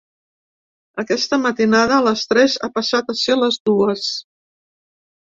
Aquesta matinada, a les tres ha passat a ser les dues.